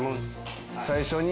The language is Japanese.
最初に。